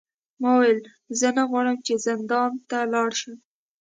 ما وویل زه نه غواړم چې زندان ته لاړ شم.